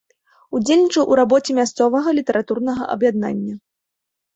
Удзельнічаў у рабоце мясцовага літаратурнага аб'яднання.